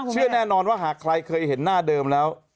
เชื่อแน่นอนว่าหากใครเคยเห็นหน้าเดิมแล้ว